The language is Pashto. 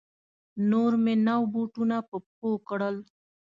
نور مې نو بوټونه په پښو کړل.